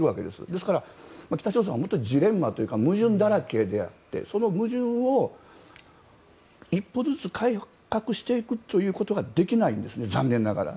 ですから、北朝鮮はジレンマというか矛盾だらけであってその矛盾を一歩ずつ改革していくことができないんですね、残念ながら。